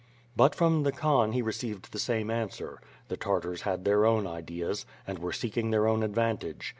But from the Khan he received the same answer. The Tartars had their own ideas, and were seeking their own ad vantage.